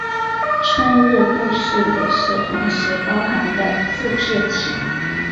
春日部市也是同时包含的自治体。